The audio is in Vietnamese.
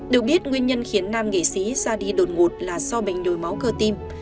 được biết nguyên nhân khiến nam nghệ sĩ ra đi đột ngột là do bệnh nhồi máu cơ tim